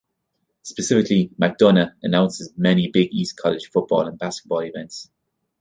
Specifically, McDonough announces many Big East college football and basketball events.